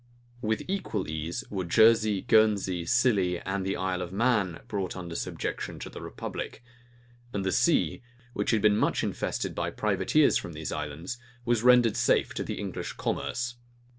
With equal ease were Jersey, Guernsey, Scilly, and the Isle of Man brought under subjection to the republic; and the sea, which had been much infested by privateers from these islands, was rendered safe to the English commerce.